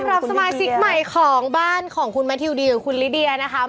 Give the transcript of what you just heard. สำหรับสมาชิกใหม่ของบ้านของคุณแมททิวดีกับคุณลิเดียนะคะ